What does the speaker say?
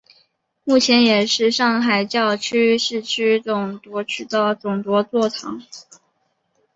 目前也是上海教区市区总铎区的总铎座堂。